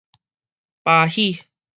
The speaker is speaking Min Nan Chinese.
巴喜